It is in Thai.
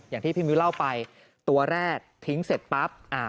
อย่างที่พี่มิ้วเล่าไปตัวแรกทิ้งเสร็จปั๊บ